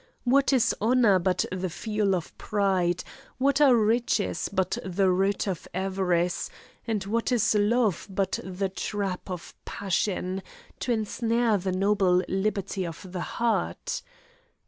What is honour but the fuel of pride, what are riches but the root of avarice, and what is love but the trap of passion, to ensnare the noble liberty of the heart?